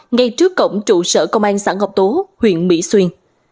ngay trước cổng trụ sở công an xã ngọc tố huyện mỹ xuyên